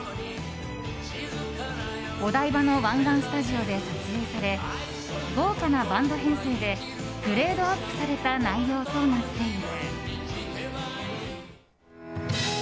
お台場の湾岸スタジオで撮影され豪華なバンド編成でグレードアップされた内容となっている。